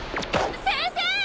先生！